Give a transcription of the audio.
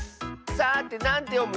さてなんてよむ？